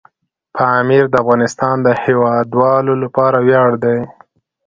پامیر د افغانستان د هیوادوالو لپاره ویاړ دی.